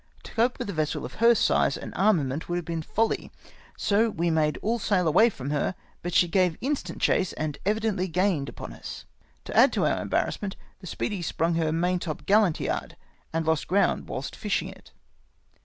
To cope witli a vessel of her size and armament would have been folly, so we made all sail away from her, but she gave instant chase, and evidently gained upon us. To add to our embarrassment, the Speedy sprung her maintopgallant yard, and lost ground whilst fishing it.